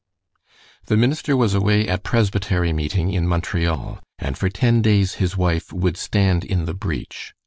The minister was away at Presbytery meeting in Montreal, and for ten days his wife would stand in the breach.